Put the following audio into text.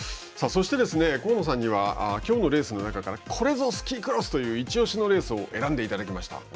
そして河野さんにはきょうのレースの中からこれぞ、スキークロスという一押しのレースを選んでいただきました。